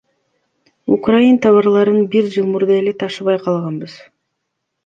Украин товарларын бир жыл мурда эле ташыбай калганбыз.